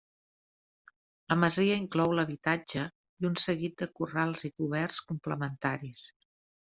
La masia inclou l'habitatge i un seguit de corrals i coberts complementaris.